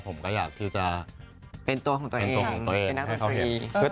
ผมก็อยากทริวจะเป็นตัวของตัวเอง